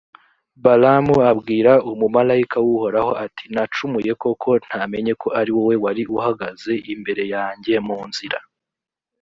balamu abwira umumalayika w’uhoraho, ati nacumuye kuko ntamenye ko ari wowe wari uhagaze imbere yanjye mu nzira.